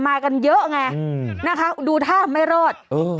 มากันเยอะไงนะคะดูท่าไม่รอด